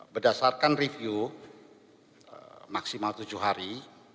berdasarkan review maksimal tujuh hari